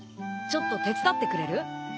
ちょっと手伝ってくれる？